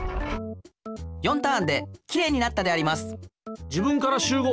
４ターンできれいになったであります。